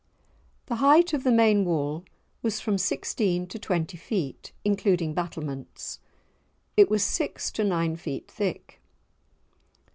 The height of the main wall was from sixteen to twenty feet, including battlements. It was six to nine feet thick.